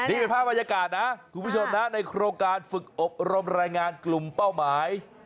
นี่เป็นภาพบรรยากาศนะคุณผู้ชมนะในโครงการฝึกอบรมรายงานกลุ่มเป้าหมาย